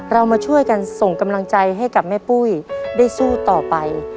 เรามาช่วยกันส่งกำลังใจให้กับแม่ปุ้ยได้สู้ต่อไป